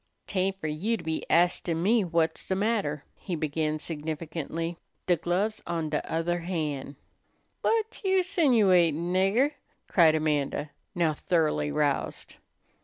"'Tain't fer you to be astin' me whut's de matter," he began significantly. "De glove's on de other han'." "Whut you 'sinuatin', nigger?" cried Amanda, now thoroughly roused.